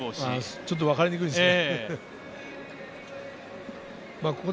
ちょっとわかりにくいですね。